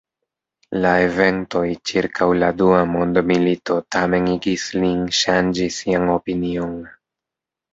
La eventoj ĉirkaŭ la dua mondmilito tamen igis lin ŝanĝi sian opinion.